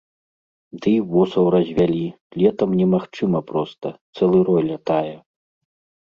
Ды і восаў развялі, летам немагчыма проста, цэлы рой лятае.